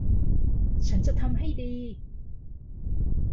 ฉันจะทำให้ดี